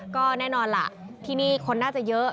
ก็แน่นอนล่ะที่นี่คนน่าจะเยอะ